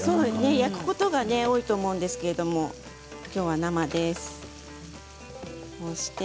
焼くことが多いと思うんですけどきょうは生です。